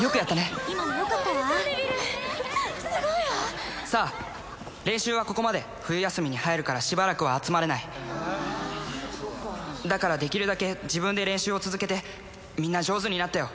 すごい今のよかったわおめでとうネビルすごいわさあ練習はここまで冬休みに入るからしばらくは集まれないだからできるだけ自分で練習を続けてみんな上手になったよ